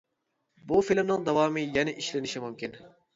بۇ فىلىمنىڭ داۋامى يەنە ئىشلىنىشى مۇمكىن.